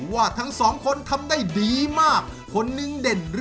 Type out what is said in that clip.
แต่ซ่ามหาสมมุทรนะครับยังไม่ได้คะแนนจากคณะกรรมการเลย